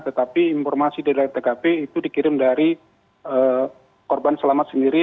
tetapi informasi dari tkp itu dikirim dari korban selamat sendiri